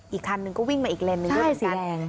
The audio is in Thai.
อีกคันนึงก็วิ่งมาอีกเลนด์นึง